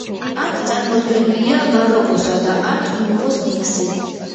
აქ წარმოდგენილია ბაროკოსა და არტ-ნუვოს მიქსი.